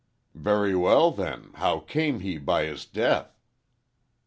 "Very well, then, how came he by his death?"